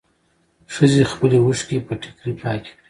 ښځې خپلې اوښکې په ټيکري پاکې کړې.